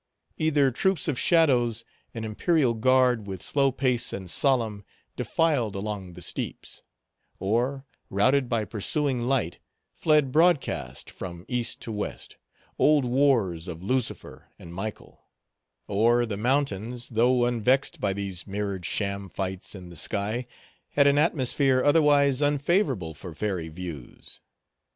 Either troops of shadows, an imperial guard, with slow pace and solemn, defiled along the steeps; or, routed by pursuing light, fled broadcast from east to west—old wars of Lucifer and Michael; or the mountains, though unvexed by these mirrored sham fights in the sky, had an atmosphere otherwise unfavorable for fairy views.